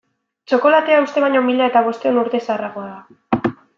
Txokolatea uste baino mila eta bostehun urte zaharragoa da.